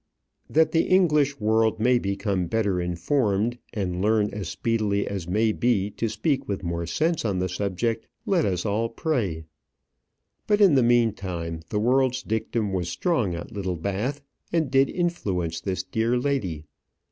That the English world may become better informed, and learn as speedily as may be to speak with more sense on the subject, let us all pray. But, in the meantime, the world's dictum was strong at Littlebath, and did influence this dear lady.